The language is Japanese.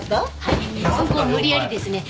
そこを無理やりですね